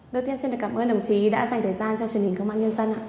đầu tiên xin cảm ơn đồng chí đã dành thời gian cho truyền hình các mạng nhân dân